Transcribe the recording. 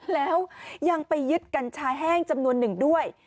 แล้วยังไปยึดกัญชาแห้งจำนวนหนึ่งด้วย